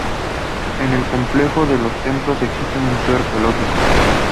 En el complejo de los templos existe un museo arqueológico.